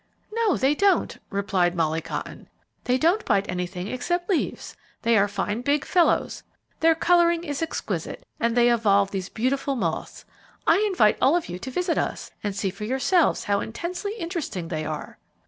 "No, they don't!" replied Molly Cotton. "They don't bite anything except leaves; they are fine big fellows; their colouring is exquisite; and they evolve these beautiful moths. I invite all of you to visit us, and see for yourselves how intensely interesting they are."